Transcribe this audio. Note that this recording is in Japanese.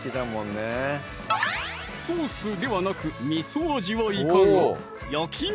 ソースではなく味味はいかが？